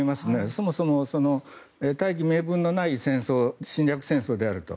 そもそも大義名分のない侵略戦争であると。